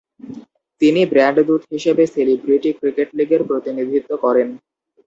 তিনি ব্র্যান্ড দূত হিসেবে সেলিব্রিটি ক্রিকেট লিগের প্রতিনিধিত্ব করেন।